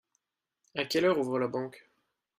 À quelle heure ouvre la banque ?